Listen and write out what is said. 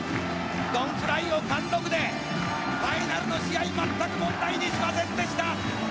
ドン・フライをファイナルの試合全く問題にしませんでした。